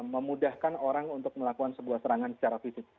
memudahkan orang untuk melakukan sebuah serangan secara fisik